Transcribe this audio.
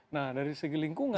nah dari segi lingkungan